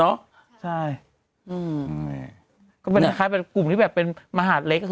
ใช่อืมก็เป็นคล้ายเป็นกลุ่มที่แบบเป็นมหาดเล็ก